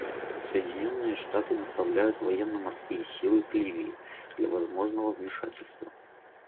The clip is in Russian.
Соединенные Штаты направляют военно-морские силы к Ливии для возможного вмешательства».